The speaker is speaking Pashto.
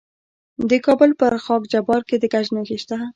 د کابل په خاک جبار کې د ګچ نښې شته.